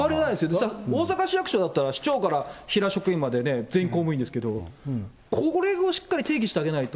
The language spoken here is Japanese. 大阪だったら市長から平職員まで全員公務員ですけれど、これをしっかり提示してあげないと。